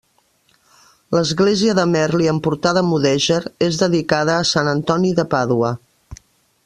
L'església de Merli amb portada mudèjar és dedicada a Sant Antoni de Pàdua.